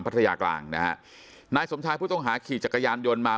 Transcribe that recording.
พัทยากลางนะฮะนายสมชายผู้ต้องหาขี่จักรยานยนต์มา